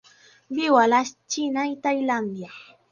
Viu a la Xina i Tailàndia.